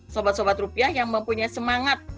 sobat sobat rupiah yang mempunyai semangat